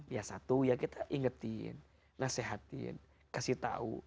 ya satu ya kita ingetin nasehatin kasih tahu